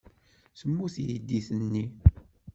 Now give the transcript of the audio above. Temmut teydit-nni.